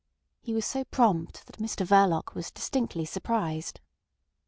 He was so prompt that Mr Verloc was distinctly surprised.